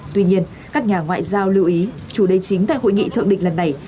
tuy nhiên các nhà ngoại giao lưu ý chủ đề chính tại hội nghị thượng đỉnh lần này